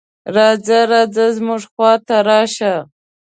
"راځه راځه زموږ خواته راشه".